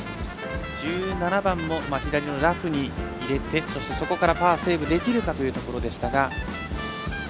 １７番も左のラフに入れてそして、そこからパーセーブできるかというところでしたが。